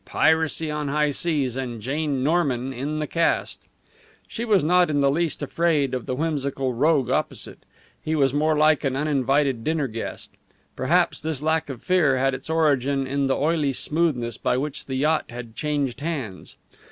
Piracy on high seas, and Jane Norman in the cast! She was not in the least afraid of the whimsical rogue opposite. He was more like an uninvited dinner guest. Perhaps this lack of fear had its origin in the oily smoothness by which the yacht had changed hands.